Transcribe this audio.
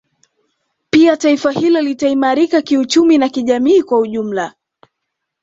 Pia taifa hilo litaimarika kiuchumi na kijamii kwa ujumla